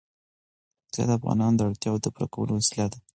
پکتیا د افغانانو د اړتیاوو د پوره کولو وسیله ده.